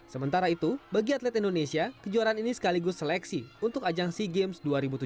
sementara itu bagi atlet indonesia kejuaraan ini sekaligus seleksi untuk ajang sea games dua ribu tujuh belas